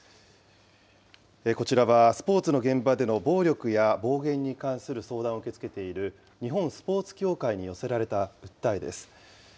こちらはスポーツの現場での暴力や暴言に関する相談を受け付けている日本スポーツ協会に寄せられた訴えです。